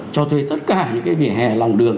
cho thuê tất cả những vỉa hè lòng đường